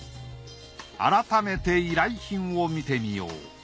改めて依頼品を見てみよう。